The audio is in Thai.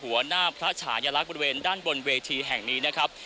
หัวหน้าพระฉายลักษณ์บริเวณด้านบนเวทีแห่งนี้นะครับ